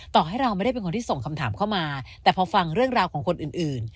ต่อให้เราไม่ได้เป็นคนที่ส่งคำถามเข้ามาแต่พอฟังเรื่องราวของคนอื่น